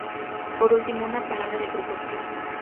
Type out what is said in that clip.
Por último, una palabra de precaución.